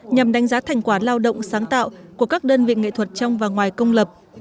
nhằm đánh giá thành quả lao động sáng tạo của các đơn vị nghệ thuật trong và ngoài công lập